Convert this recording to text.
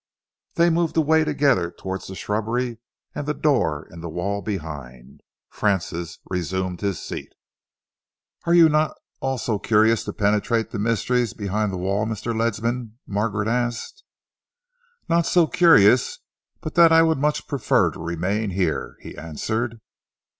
They moved away together towards the shrubbery and the door in the wall behind. Francis resumed his seat. "Are you not also curious to penetrate the mysteries behind the wall, Mr. Ledsam?" Margaret asked. "Not so curious but that I would much prefer to remain here," he answered.